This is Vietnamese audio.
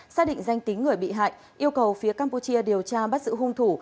xác định danh tính người bị hại yêu cầu phía campuchia điều tra bắt giữ hung thủ